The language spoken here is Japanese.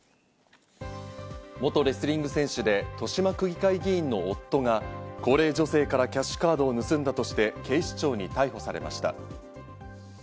元レスリング選手で豊島区議会議員の夫が高齢女性からキャッシュカードを盗んだとして警視庁に逮捕されました。